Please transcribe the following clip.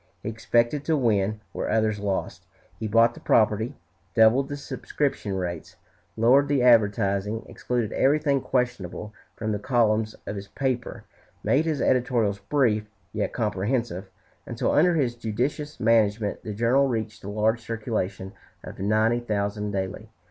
He expected to win where others lost. He bought the property, doubled the subscription rates, lowered the advertising, excluded everything questionable from the columns of his paper, made his editorials brief, yet comprehensive, until under his judicious management the journal reached the large circulation of ninety thousand daily.